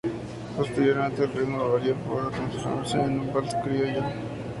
Posteriormente, el ritmo varió para transformarse en un vals criollo.